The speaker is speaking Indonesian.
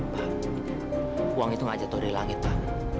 pak uang itu ngajak tore langit pak